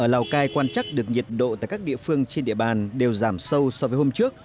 lào cai quan chắc được nhiệt độ tại các địa phương trên địa bàn đều giảm sâu so với hôm trước